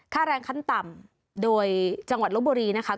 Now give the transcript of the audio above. แรงขั้นต่ำโดยจังหวัดลบบุรีนะคะ